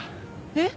えっ！？